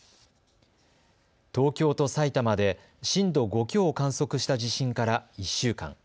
東京と埼玉で震度５強を観測した地震から１週間。